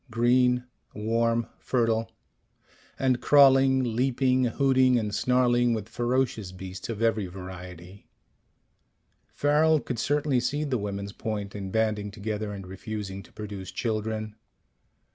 Green, warm, fertile and crawling, leaping, hooting and snarling with ferocious beasts of every variety. Farrel could certainly see the women's point in banding together and refusing to produce children.